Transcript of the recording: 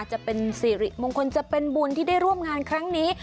จะเป็นสิริมงคลจะเป็นบุญที่ได้ร่วมงานครั้งนี้